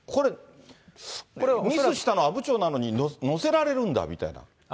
これ、ミスしたのは阿武町なのに乗せられるんだみたいな。